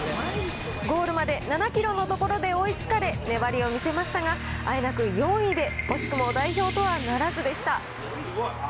ゴールまで７キロの所で追いつかれ、粘りを見せましたが、あえなく４位で惜しくも代表とはならずでした。